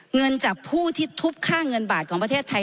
เงินจากผู้ที่ทุบค่าเงินบาทของประเทศไทย